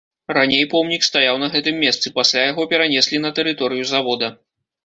Раней помнік стаяў на гэтым месцы, пасля яго перанеслі на тэрыторыю завода.